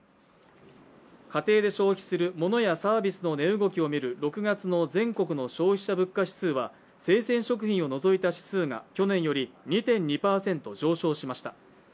家庭で消費するモノやサービスの値動きを見る６月の全国の消費者物価指数は生鮮食品を除いた指数は去年より２．２％上昇しました。